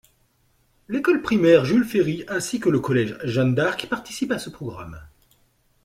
L'école primaire Jules-Ferry ainsi que le collège Jeanne-D’Arc participent à ce programme.